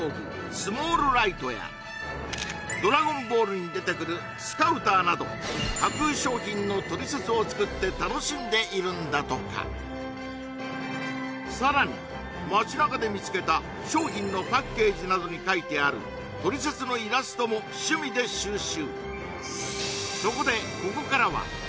スモールライトやドラゴンボールに出てくるスカウターなど架空商品のトリセツを作って楽しんでいるんだとかさらに街なかで見つけた商品のパッケージなどにかいてあるトリセツのイラストも趣味で収集